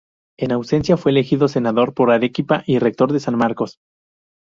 En ausencia fue elegido senador por Arequipa y rector de San Marcos.